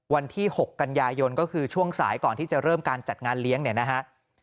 วันที่๖กันยายนก็คือช่วงสายก่อนที่จะเริ่มการจัดงานเลี้ยงเนี่ยนะฮะ